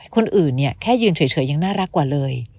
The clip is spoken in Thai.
คนอื่นเนี่ยแค่ยืนเฉยยังน่ารักกว่าเลย